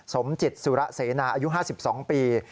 สมจิตสุระเสนาอายุ๕๒ปี